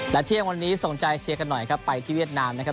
และเที่ยงวันนี้ส่งใจเชียร์กันหน่อยครับไปที่เวียดนามนะครับ